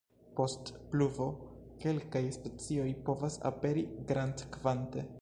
Post pluvo kelkaj specioj povas aperi grandkvante.